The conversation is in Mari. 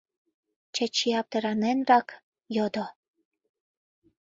— Чачи аптыраненрак йодо.